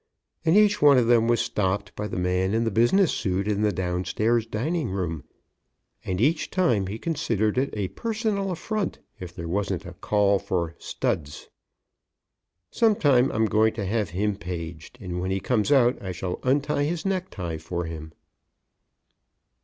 And each one of them was stopped by the man in the business suit in the downstairs dining room and each time he considered it a personal affront that there wasn't a call for "Studz." Some time I'm going to have him paged, and when he comes out I shall untie his necktie for him.